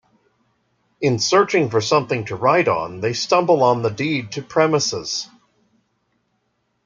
In searching for something to write on, they stumble on the deed to premises.